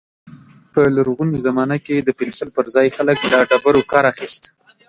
په لرغوني زمانه کې د پنسل پر ځای خلک له ډبرو کار اخيست.